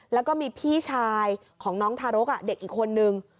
แล้วก็มีพี่ชายของน้องทารกเด็กอีกคนนึง